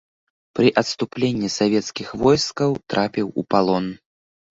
Пры адступленні савецкіх войскаў трапіў у палон.